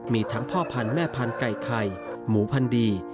มีทั้งพ่อพันธุ์แม่พันธุ์ไก่ไข่หมูพันดี